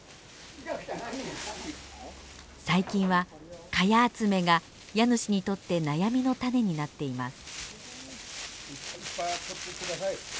最近はカヤ集めが家主にとって悩みの種になっています。